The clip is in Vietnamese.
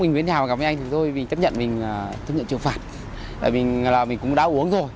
nếu mà gặp mấy anh thì thôi mình chấp nhận mình chấp nhận trường phạt là mình cũng đã uống rồi